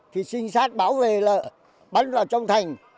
thì sinh sát bảo vệ là bắn vào trong thành